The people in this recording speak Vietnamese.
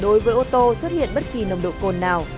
đối với những trường hợp người ta